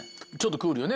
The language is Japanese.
クールよね